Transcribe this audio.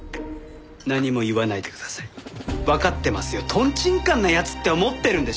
とんちんかんな奴って思ってるんでしょ？